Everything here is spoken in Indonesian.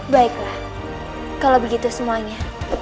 baiklah kalau begitu semuanya